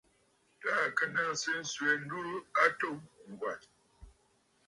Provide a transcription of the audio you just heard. Taà kɨ naŋsə swɛ̌ ndurə a atû Ŋgwà.